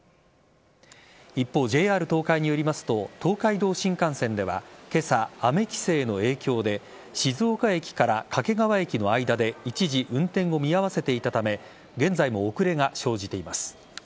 一方、ＪＲ東海によりますと東海道新幹線では今朝雨規制の影響で静岡駅から掛川駅の間で一時運転を見合わせていたため現在も遅れが生じています。